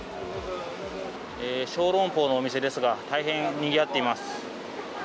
小龍包のお店ですが大変にぎわっています。